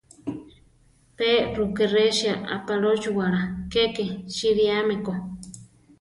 Pe Rukerésia apalóchiwala keke siríame ko.